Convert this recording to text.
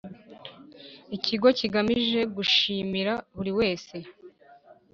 ikigo kigamije gushimira buri wese